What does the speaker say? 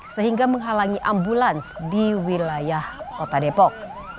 sehingga menghalangi ambulans di wilayah kota depok